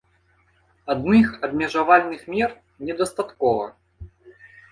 Адных абмежавальных мер недастаткова.